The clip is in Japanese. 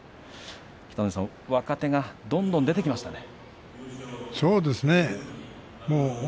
北の富士さん、若手がどんどん出てきましたね。